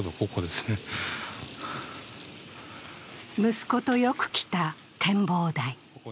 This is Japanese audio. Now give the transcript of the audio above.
息子とよく来た展望台。